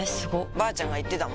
ばあちゃんが言ってたもん